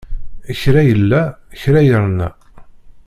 Kra illa, kra irna.